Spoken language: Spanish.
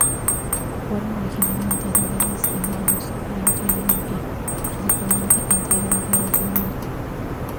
Fueron igualmente adoradas en Argos, Corinto y Olimpia, principalmente entre granjeros rurales.